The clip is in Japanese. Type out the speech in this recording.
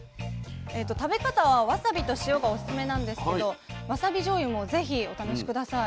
食べ方はわさびと塩がおすすめなんですけどわさびじょうゆも是非お試し下さい。